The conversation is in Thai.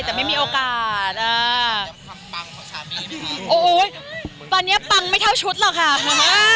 แต่ไม่มีโอกาสเอออุ้ยปังไม่เท่าชุดหรอกค่ะปรูน่ะ